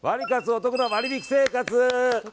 おトクな割引生活。